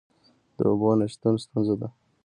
د اوبو نشتون ستونزه ده؟